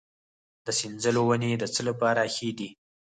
د سنځلو ونې د څه لپاره ښې دي؟